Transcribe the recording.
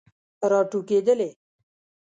راټوکیدلې